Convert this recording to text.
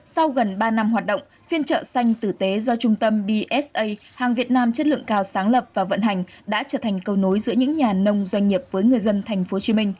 sau gần ba năm hoạt động phiên chợ xanh tử tế do trung tâm bsa hàng việt nam chất lượng cao sáng lập và vận hành đã trở thành cầu nối giữa những nhà nông doanh nghiệp với người dân tp hcm